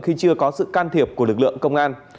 khi chưa có sự can thiệp của lực lượng công an